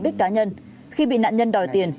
theo mục đích cá nhân khi bị nạn nhân đòi tiền